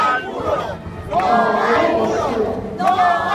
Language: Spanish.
Su madera es dura.